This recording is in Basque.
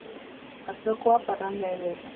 Atzokoa, parranda ederra.